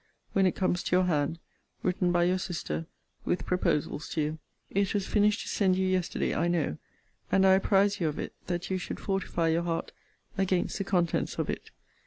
] when it comes to your hand, written by your sister, with proposals to you.* * See Letter XXVI. ibid. It was finished to send you yesterday, I know; and I apprize you of it, that you should fortify your heart against the contents of it.